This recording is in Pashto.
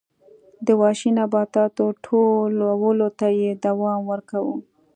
د وحشي نباتاتو ټولولو ته یې دوام ورکاوه